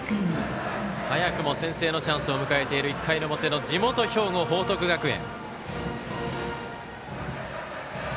早くも先制のチャンスを迎えている、１回の表地元・兵庫、報徳学園。